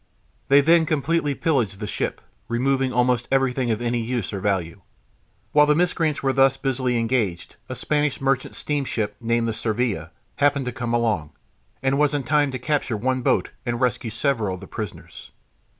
They then completely pillaged the ship, removing almost everything of any use or value. While the miscreants were thus busily engaged a Spanish merchant steamship, named the Sevilla, happened to come along, and was in time to capture one boat and rescue several of the prisoners.